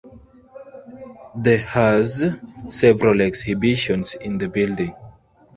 The has several exhibitions in the building.